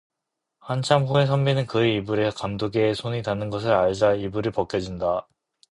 한참 후에 선비는 그의 이불에 감독의 손이 닿는 것을 알자 이불이 벗겨진다.